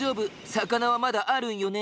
魚はまだあるんよね。